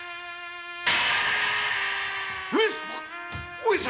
上様！